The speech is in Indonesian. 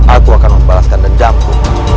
aku akan membalaskan renjamku